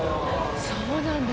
そうなんだ。